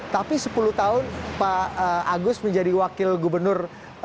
tapi sepuluh tahun pak agus menjadi wakil gubernur